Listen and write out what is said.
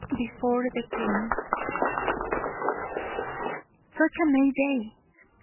BEFORE THE QUEEN. Such a May day!